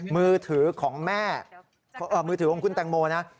มือถือของแม่มือถือของคุณแตงโมนะ